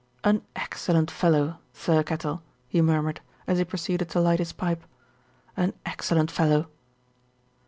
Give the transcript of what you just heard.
"An excellent fellow, Thirkettle," he murmured, as he proceeded to light his pipe, "an excellent fellow."